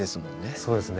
そうですね。